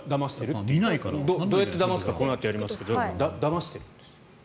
どうやってだますかこのあとやりますがだましてるんです。